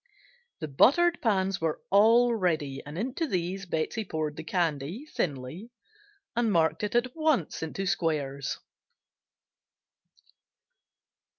The buttered pans were all ready and into these Betsey poured the candy (thinly) and marked it at once into squares.